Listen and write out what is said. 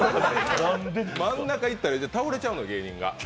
真ん中いったら、倒れちゃうの、芸人が。